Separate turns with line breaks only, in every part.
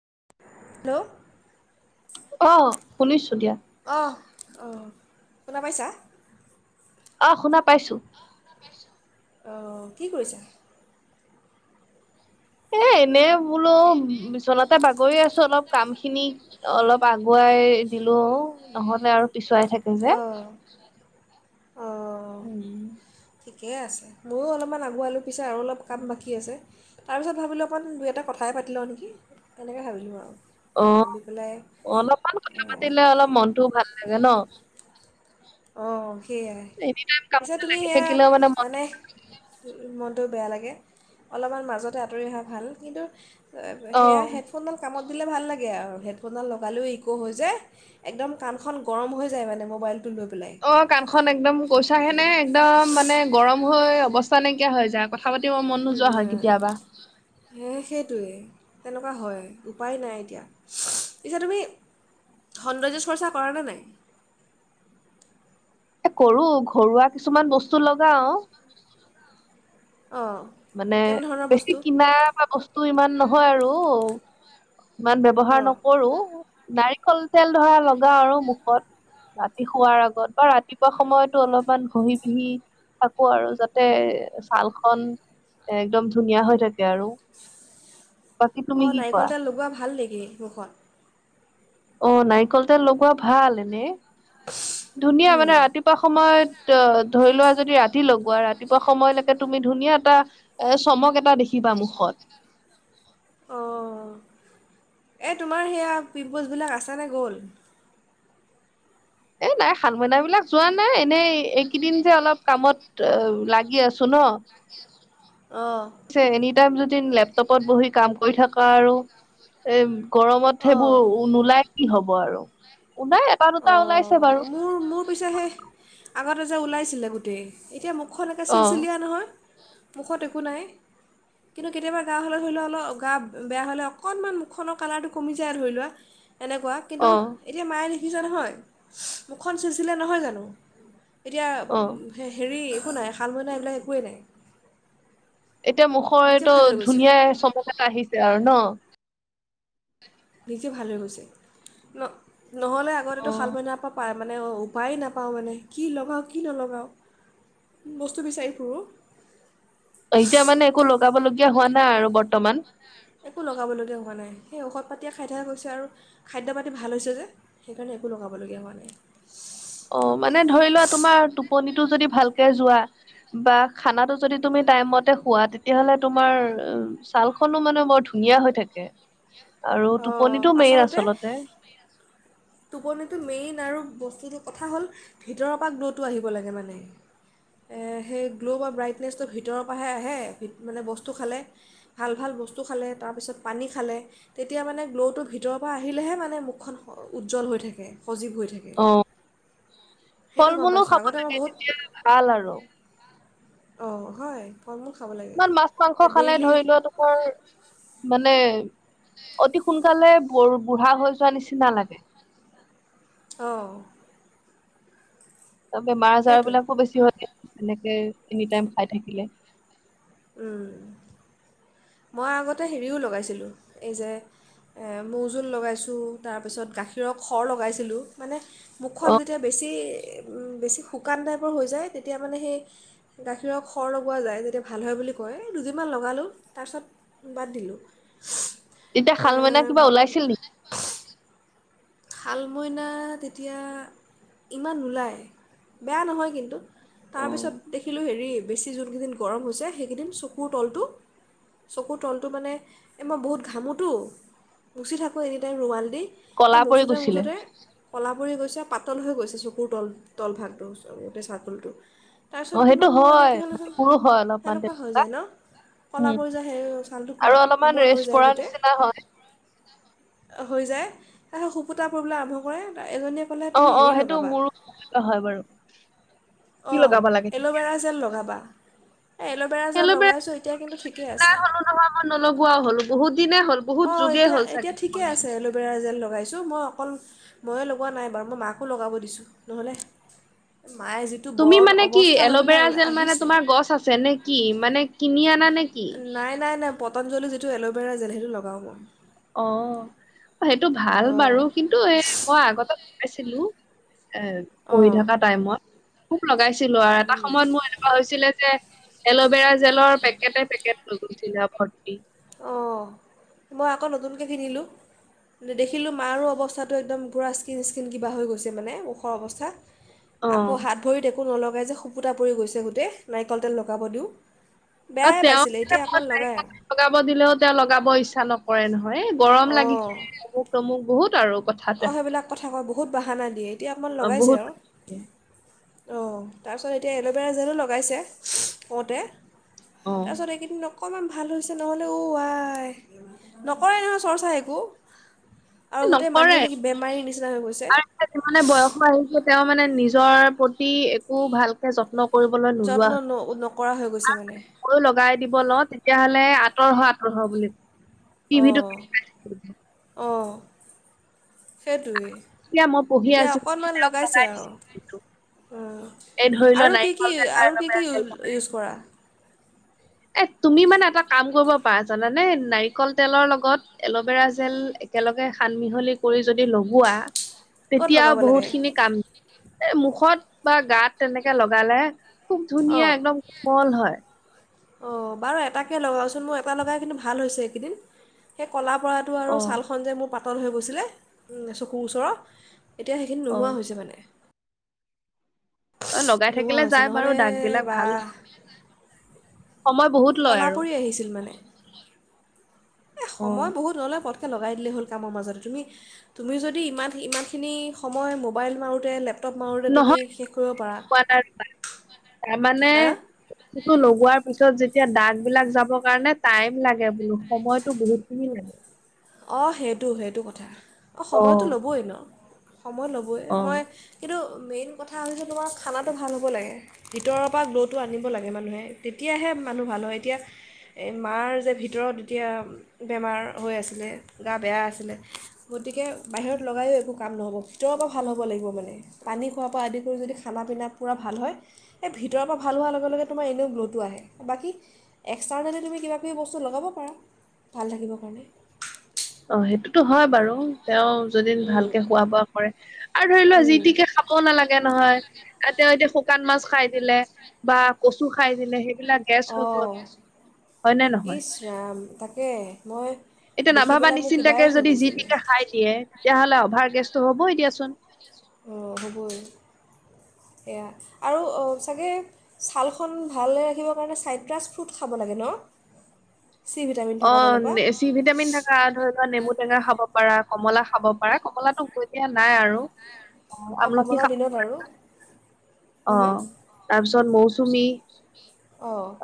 Hello
আহ শুনিছো দিয়া।
অহ অঁ শুনা পাইছা?
আহ শুনা পাইছো।
অ কি কৰিছা?
এ এনে বোলো বিচনাতে বাগৰি আছো অলপ কাম খিনি অলপ আগুৱাই দিলো, নহ'লে আৰু পিছুৱাই থাকে যে
আহ, আহ
উম।
ঠিকে আছে, মইও অলপমান আগুৱালো পিছে আৰু অলপ কাম বাকী আছে। তাৰপিছত ভাবিলোঁ অকণমান দুই এটা কথাই পাতি লওঁ নেকি তেনেকৈ ভাবিলোঁ আৰু।
অ
ভাবি পেলাই
অলপমান কথা
এয়া
পাতিলে অলপ মনটোও ভাল লাগে নহ।
অ। সেয়াই
এনি টাইম
পিছো
কামতে
তুমি
লাগি
সেয়া
থাকিলেও মন
মানে টো বেয়া লাগে অলপমান মাজতে আঁতৰি অহা ভাল কিন্তু
অ
সেয়া হেডফোনডাল কামত ভাল লাগে আৰু হেডফোন ডাল লগালেও ইকৌ হৈ যায় একদম কাণখন গৰম হৈ যাই মানে মবাইল টো লৈ। পেলাই
অ কাণ খন একদম
কথা
কৈছা হে নে
পাতিলে
একদম মানে গৰম অৱস্থা নাইকিয়া যায়। কথা পাতিবৰ মন নোযোৱা হয় কেতিয়াবা।
হে সেইটোৱেই তেনেকুৱা হয় উপায় নাই এতিয়া। পিছে তুমি সৌন্দৰ্য চৰ্চা কৰা নে নাই?
এ কৰো ঘৰুৱা কিছুমান বস্তু লগাও
অঁ
মানে
কেনেধৰণৰ
বেছি
বস্তু
কিনা বা বস্তু তটো ইমান নহয় আৰু ইমান ব্যৱহাৰ
অঁ
নকৰো। নাৰিকল তেল ধৰা লগাও আৰু মুখত ৰাতি শোৱাৰ আগত বা ৰাতিপুৱা সময়তো অলপমান ঘহি বিহি থাকো আৰু যাতে ছাল খন একদম ধুনীয়া হৈ থাকে আৰু। বাকী তুমি
অঁ
কি কোৱা
নাৰিকল তেল লগোৱা ভাল নেকি মুখত?
অ নাৰিকল তেল লগোৱা ভাল এনেই। ধুনীয়া
উম।
মানে ৰাতিপুৱা সময়ত অ ধৰি লোৱা যদি ৰাতি ৰাতি লগোৱা ৰাতিপুৱা সময়লৈকে তুমি ধুনীয়া এটা এ চমক এটা দেখিবা মুখত
অঁ এই তোমাৰ সেয়া পিম্পলছবিলাক আছ নে গ'ল?
এ নাই হাল মইনা বিলাক যোৱা নাই এনেই এই কেইদিন যে অলপ কামত অ লাগি আছো ন।
অঁ।
ছে এনি টাইম যদি লেপটপত বহি কাম কৰি থকা আৰু এ গৰমত সেইবোৰ
অঁ,
নোলাই কি হ'ব আৰু। [inaudible] ওলাই এটা দুটা ওলাইছে
অঁ
বাৰু।
মোৰ মোৰ পিছে সেই আগতে ওলাইছিলে গোটেই এতিয়া মোক খন এনেকে
অ
চিলচিলীয়া নহয়। মুখত একো নাই কিন্তু কেতিয়াবা গা হ'লে ধৰি লোৱা অলপ গা বেয়া হ'লে অকণমান মুখখনৰ কালাৰটো কমি যায় আৰু ধৰি লোৱা। এনেকুৱা কিন্তু
অ
এতিয়া মায়ে ই যে নহয় মুখখন চুইছিলে নহয় জানো? এতিয়া
অ
হে হেৰি একো নাই শাল মৈনা এইবিলাক একোৱেই নাই।
এতিয়া মুখৰ
নিজে
এইটো
ভাল হৈ গৈছে।
ধুনীয়া চমক এটা আহিছে আৰু ন'।
নিজে ভাল হৈ গৈছে ন'? নহ'লে
অ
আগতেতো শাল মইনাৰ পা পায় মানে উপায় নাপাওঁ মানে কি লগাওঁ কি নলগাওঁ বস্তু বিচাৰি ফুৰোঁ।
অ, এতিয়া মানে একো লগাব লগীয়া হোৱা নাই আৰু বৰ্তমান?
একো লগাবলগীয়া হোৱা নাই সেই ঔষধ পাতিয়ে খাই থকা গৈছে আৰু খাদ্য পাতি ভাল হৈছে যে সেইকাৰণে একো লগাবলগীয়া হোৱা নাই।
অ, মানে ধৰি লোৱা তোমাৰ টোপনিটো যদি ভালকে যোৱা বা খানাটো যদি তুমি টাইম মতে খোৱা তেতিয়াহলে তোমাৰ ছালখনো মানে বৰ ধুনীয়া হৈ থাকে। আৰু
অ,
টোপনিটো মেইন
আচলতে [unintelligible] টোপনিতো মেইন আৰু বস্তি কথা হ'ল ভিতৰৰ পৰা গ্ল'টো আহিব লাগে মানে সেই গ্ল' বা ব্ৰাইটনেছটো ভিতৰৰ পৰাহে আহে মানে বস্তু খালে ভাল-ভাল বস্তু খালে তাৰপিছত পানী খালে। তেতিয়া মানে গ্ল'টো ভিতৰৰ পৰা আহিলেহে মানে মুখখন উজ্জ্বল হৈ থাকে। সজীৱ হৈ থাকে
অ,
সেইটো
ফল
গম
মূলো
পাইছোঁ
খাব
আগতে মই
লাগে তেতিয়া ভাল আৰু।
অ, হয়। ফল মূল খাব লাগে
ইমান মাছ, মাংস খালে
ডেইলি
ধৰি লোৱা তোমাৰ মানে মানে অতি সোনকালে বুঢ়া হৈ যোৱা নিচিনা লাগে।
অ',
ত'বেমাৰ -আজাৰ
সেইটোৱে
বিলাকো বেছি হয় গে। এনেকে এনি টাইম খাই থাকিলে
উম, মই আগতে হেৰিও লগাইছিলোঁ, এই যে, এ মৌজোল লগাইছোঁ তাৰপিছত গাখীৰক সৰ লগাইছিলোঁ মানে মুখখন
অ
যেতিয়া বেছি, বেছি শুকান টাইপৰ হৈ যায় তেতিয়া মানে সেই, গাখীৰৰ সৰ লগোৱা যায়। ভাল হয় বুলি কয় এই দুদিনমান লগালোঁ, তাৰপিছত, বাদ দিলোঁ।
তেতিয়া শাল মইনা কিবা ওলাইছিল নেকি?
শাল মইনা তেতিয়া, ইমান নোলায়, বেয়া নহয় কিন্তু।
অ
তাৰপিছত, দেখিলোঁ হেৰি বেছি যোনকেইদিন গৰম হৈছে সেইকেইদিন চকুৰ তলটো, চকুৰ তলটো মানে, এই মই বহুত ঘামোটো মুচি থাকোঁ এনি টাইম ৰুমাল দি। সেই
কলা পৰি
মুচোতে
গৈছিলে।
মুচোতে কলা পৰি গৈছে পাতল হৈ গৈছে চকুৰ তল তল ভাগটো গোটেই চাৰকলটো।
অ
তাৰপিছত
সেইটো
বোলো
হয়
এনেকে
সেইটো
হ'লেচোন
মোৰো হয় অলপমান
কেনেকুৱা হৈ
তেনেকুৱা
যায় ন' ক'লা
উম।
পৰি যায় সেই ছালটো
আৰু অলপমান
কোমল হৈ
ৰেষ্ট
যায়
পৰা
গোটেই,
নিচিনা হয়
হৈ যায়। সুকুতা পৰিবলৈ আৰম্ভ কৰে। এজনীয়ে ক'লে
অ',
তুমি
অ,
হেৰি
সেইটো
লগাবা
মোৰো [unintelligible] হয় বাৰু। কি
অ',
লগাব লাগে তেতিয়া?
এল'ভেৰা জেল লগাবা, এ এল'ভেৰা জেল লগাই আছোঁ ঠিকে
কিনা
আছে
হলো নহয় মই নলগোৱা হলো বহুত দিনে হ'ল বহুত
অ',
যুগে হ'ল
এতিয়া-এতিয়া
চাগে।
ঠিকে আছে এল'ভেৰা জেল। লগাইছো মই অকল মই লগোৱা নাই বাৰু মই মাকো লগাৱ দিছো নহলে, মায়ে যিটো
তুমি
বৰণ
মানে কি
অৱস্থা হৈ পেলাই
এল'ভেৰা
ওল-
জেল মানে
আহিছে
তোমাৰ গছ আছে নে কি? মানে কিনি আনা নে? কি?
নাই নাই নাই পটনজলি যিটো এল'ভেৰা জেল সেইটো লগাও মই।
অ'। সেইটো ভাল
অঁ
বাৰু কিন্তু এ মই আগতে আছিলো। এ পঢ়ি
অঁ
থকা টাইমত খুব লগাইছে ছিলো আৰু এটা সময়ত মোৰ এনেকুৱা হৈছিলে যে এল'ভেৰা জেলৰ পেকটে পেকেট জা [unintelligible]
অ'' মই আকৌ নতুনকৈ কিনিলোঁ দেখিলোঁ মাৰো অৱস্থাটো একদম পূৰা স্কিন স্কিন কিবা হৈ গৈছে মানে ওখৰ অৱস্থা
অ
আকৌ হাত ভৰিত একো নলগ লগাই যে সুপুতটা পৰি গৈছে গোটেই নাৰিকল তেল লগাব দিওঁ
অ
বেয়াই
তেওঁ
পাইছিলে
মাৰ
এতিয়া অকণমান
[unintelligible]
লগায় আৰু
লগাব দিলে এতিয়া লগাব ইচ্ছা নকৰে নহয়। হয় গৰম লাগিছে অমুক তমুক বহুত ত আৰু। কথাতে
অ'সেইবিলাক কথা কয় বহুত বাহানা দিয়ে এতিয়া অকমান
অ',
লগাইছে
বহুত
আৰু। অ' তাৰপিছত এতিয়া এল'ভেৰা যেনো লগাইছে কওঁতে।
অ
তাৰপিছত এইকেইদিন অকণমান ভাল হৈছে নহ'লে ঔ আই নকৰে নহয় চৰ্চা একো। আৰু
এ
গোটেই মানুহ,
আৰু নকৰে এনে বয়স আহিছে তেওঁ মানে নিজৰ, একো ভালকে যত্ন, কৰিবলৈ নোলোৱা
যত্ন ন নকৰা হৈ গৈছে মানে
হৈ, লগাই দিব লওঁ তেতিয়াহলে। আঁতৰ হোৱা আঁতৰ হ বুলি কি ভি
সেইটোৱে।
এতিয়া মই পঢ়ি
এতিয়া
আছিলো
অকণমান লগাইছে
লগাই
আৰু
দিছে এই ধৰি লোৱা
আৰু কি কি
নাৰিকল তেল বা
আৰু কি কি
এল'ভেৰা তেল লগাই।
ইউজ কৰা?
এ তুমি মানে এটা কাম কৰিব পাৰা জানানে নাৰিকল তেলৰ লগত এল'ভেৰা জেল একেলগে সান মিহলি কৰি যদি লগোৱা,
ক'ত
তেতিয়া
লগাব লাগে
বহুত খিনি কাম, মুখত বা গাত তেনেকে লগালে খুব ধুনীয়া
অঁ
একদম কমল হয়।
অঁ বাৰু এটাকে লগাচোন মোৰ এটা লগাই কিন্তু ভাল হৈছে এইকেইদিন পৰাতটো আৰু
অ
ছালখনন যে মোৰ পাত পাতল হৈ গৈছিলে চকুৰ ওচৰত এতিয়া সেইখিনি
অ
নোহোৱা হৈছে মানে
অ লগাই
নোহোৱা
থাকিলে
হৈছে
যায় বাৰু
নহ'লে
দাগ বিলাক
বা
ভাল সময় বহুত লয়
কলা
আৰু
পৰি আহিছিল মানে এ
অ
সময় বহুত ল'লে প্ৰথমে লগাই দিলেই হ'ল কামৰ মাজতে তুমি তুমি যদি ইমান ইমানখিনি সময় মোবাইল মাৰোতে লেপ
নহয়োৱা নাই তাৰমানে
হা
বস্তুটো লগোৱাৰ পিছত যে এতিয়া দাগ বিলাক যাবৰ কাৰণে টাইম লাগে বোলো সময়তো বহুত খিনি লাগে।
অ সেইটো সেইটো কথা অঁ সময়তটো
অ',
ল'বই ন সময় ল'বই
অ',
মই কিন্তু মেইন কথা হৈছে তোমাৰ খানাটো ভাল হ'ব লাগে ভিতৰৰ পৰা গ্ল'টো আনিব লাগে মানুহে তেতিয়াহে মানুহ ভাল হয় এতিয়া মাৰ যে ভিতৰত যেতিয়া বেমাৰ হৈ আছিলে। গা বেয়া আছিলে গতিকে বাহিৰত লগায়ো একো কাম নহ'ব ভিতৰৰ পৰা ভাল হ'ব লাগিব মানে পানী খোৱাৰ পৰা আদি কৰি যদি খানা পিনা পূৰা ভাল হয় এইেই ভিতৰৰ পৰা ভাল হোৱাৰ লগে লগে তোমাৰ এনেও গ্ল'টো আহে বাকী এক্সটাৰ্নেলি তুমি কিবাকিবি বস্তু লগাব পাৰা ভাল থাকিবৰ কাৰণে
অ সেইটোতো হয় বাৰু তেওঁ যদি
উম,
ভালকে খোৱা বোৱা কৰে, আৰু ধৰি লোৱা জি
উম,
টিকে খাব নালাগে নহয় তেওঁ এতিয়া শুকান মাছ খাই দিলে বা কচু খাই দিলে সেই
অ
নে নহয়?
ইচ ৰাম তাকে মই
নভবা
পেলাই মোৰ কিবাই
নিচিন্তাকে
হৈ
যি
গৈছিলে।
টিকে খাই দিয়ে। তেতিয়াহ'লে অভাৰ গেছটো হ'বই দিয়াচোন।
অঁ হ'বই সেয়া আৰু চাগে ছালখন ভালে ৰাখিবৰ কাৰণে চাইট্ৰাছ ফ্ৰুট খাব লাগে ন চি ভিটামিন
অ
থকা তেনেকুৱা।
এ চি ভিটামিন থকা ধৰ নেমু টেঙা খাব পাৰা কমলা খাব পাৰা কমলাটো এতিয়া নাই আৰু
অঁ,
আমলখি
কমলাৰ দিনত আৰু
খাবপাৰা
হুম, হুম।
তাৰপিছত মৌচুমী তুমি
অ'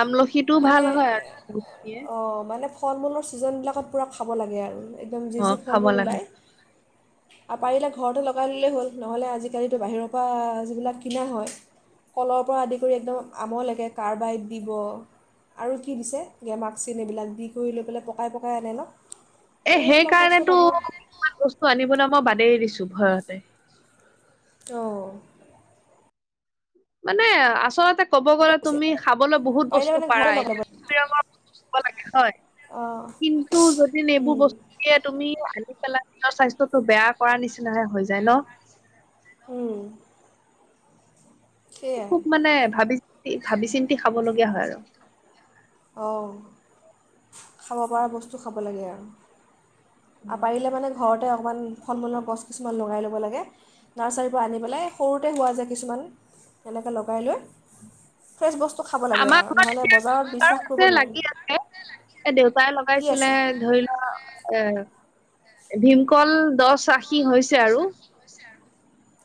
আমলখিটোও ভাল হয়
এ,
আৰু গুটিয়ে
অঁ, মানে ফল মূলৰ ছিজনবিলাকত পূৰা খাব লাগে আৰু একদম জে
অ
যি
খাব
ফল
লাগে
ওলায় আৰু পাৰিলে ঘৰৰতো লগাই ল'লেই হ'ল নহ'লে আজিকালিতো বাহিৰৰ পৰা যিবিলাক কিনা হয় কলৰ পৰা আদি কৰি একদম আমলকে কাৰ্বাইড দিব। আৰু কি দিছে গেমাক চিন এইবিলাক দি কৰি লৈ পেলাই পকাই পকাই আনে ন।
এ সেই
এইবিলাক বস্তু
কাৰণেতো
মানুহক
কিছুমান বস্তু আনিবলৈ মই বাদেই দিছো। চুভাৰতে
অহ ',
মানে আচলতে। কব গলে
বহুত হৈছে
তুমি খাবলৈ বহুত
পাৰিলে
বস্তু
মানে
পাৰা
ঘৰতে
এতি
লগাব
হয়
অঁ
কিন্তু যদিবোৰ
উম
বস্তু তুমি। পেলাই নিজৰ স্বাস্থ্যটো বেয়া কৰা নিচিনাহে হৈ যায় ন।
উম। সেয়াই
খুব মানে ভাবিছ ভাবি চিন্তি খাবলগীয়া হয় আৰু।
অহ 'খাব পৰা বস্তু খাব লাগে আৰু।
উম।
পাৰিলে মানে ঘৰ তাতে অকণমান ফল মূলৰ গছ কিছুমান লগাই ল'ব লাগে নাৰ্চাৰীৰ পৰা আনি পেলাই সৰুতে হোৱা যায় কিছুমান এনেকৈ লগাই লৈ।
উম।
ফ্ৰেছ বস্তু খাব লাগে আৰু নহ'লে বজাৰত
বাৰু
বিশ্বাস কৰিব নোৱাৰি
লাগি আছে এ দেউতাই
কি
লগাইছিলে
আছে
ধৰি লোৱা। এ ভীমকল দহ আশী হৈছে আৰু।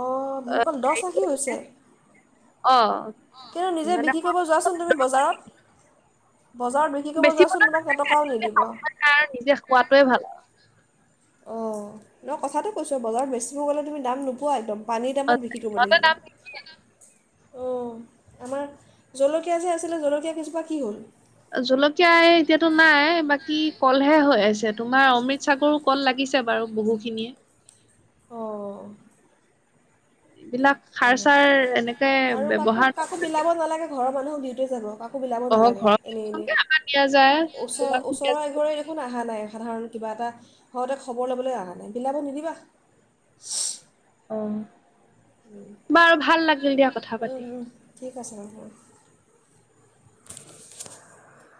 অহ ', ভমুকল দহ আশী হৈছে।
অ
কিন্তু নিজে
মানে
বিক্ৰী কৰিব যোৱাচোন তুমি বজাৰত। বজাৰত বিক্ৰী কৰিব
বেচিব
যোৱাচোন তোমাক কেইটকাও নিদিব।
খাবলৈ কাৰ নিজে খোৱাটোৱে ভাল
অহ ' নহ কথাটো কৈছো বজাৰত বেছিব গ'লে তুমি দাম নোপোৱা একদম। পানীৰ দামত বিক্ৰী কৰিব
সিহঁতে
লাগিব।
দাম
অহ ' আমাৰ জলকীয়া যে আছিলে জলকীয়া কেইজোপা কি হল।
জলকীয়া এতিয়াতো নাই বাকী। কি কলহে হৈ আছে তোমাৰ অমৃত সাগৰো কল লাগিছে বাৰু বহুখিনি।
অহ ',
এইবিলাক সাৰ চাৰ এনেকে
আৰু কাকো
ব্যৱহাৰ
কাকো
নকৰে
বিলাব
নেকী?
নালাগে ঘৰৰ মানুহক দিওতে যাব। বিলাব নালাগে এনে - এনে
দিয়া যায়
চ
তোমাক দিয়া
ওচৰৰ
যায়।
এৰে দেখোন। সাধাৰণ কিবা এটা সতে খবৰ ল'বলৈ আহা নাই বিলাব নিদিবা।
অহ ', বাৰু ভাল লাগিল দিয়া কথা পাতি।
ঠিক আছে।